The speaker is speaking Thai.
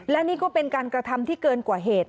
และนี่ก็เป็นการกระทำที่เกินกว่าเหตุ